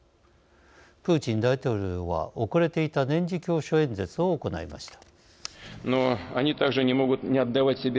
プーチン大統領は遅れていた年次教書演説を行いました。